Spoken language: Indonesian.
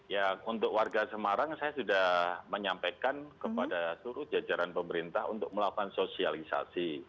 ya untuk warga semarang saya sudah menyampaikan kepada seluruh jajaran pemerintah untuk melakukan sosialisasi